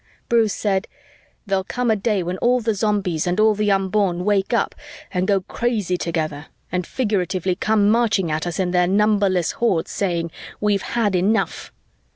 Bruce said, "There'll come a day when all the Zombies and all the Unborn wake up and go crazy together and figuratively come marching at us in their numberless hordes, saying, 'We've had enough.'"